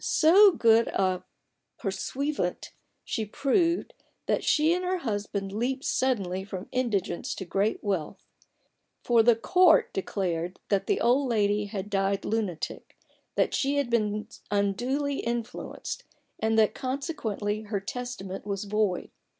So good a pursuivant did she prove, that she and her husband leaped suddenly from indigence to great wealth : for the Court declared that the old lady had died lunatic ; that she had been unduly influenced ; and, that consequently her testament was void.